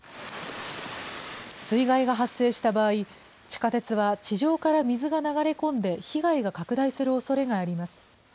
水害が発生した場合、地下鉄は地上から水が流れ込んで被害が拡大するおそれがあります。